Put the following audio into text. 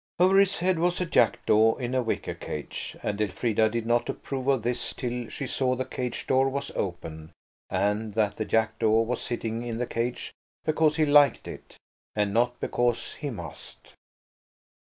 Over his head was a jackdaw in a wicker cage, and Elfrida did not approve of this till she saw the cage door was open, and that the jackdaw was sitting in the cage because he liked it, and not because he must.